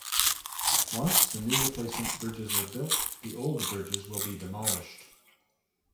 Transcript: Once the new replacement bridges are built, the old bridges will be demolished.